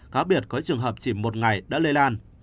cá biệt có trường hợp chỉ một ngày đã lây lan